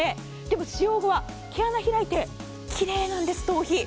でも使用後は毛穴が開いて、きれいなんです、頭皮。